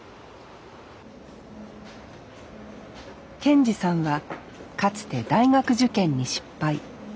健二さんはかつて大学受験に失敗。